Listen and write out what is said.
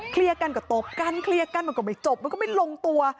กันก็ตบกันเคลียร์กันมันก็ไม่จบมันก็ไม่ลงตัว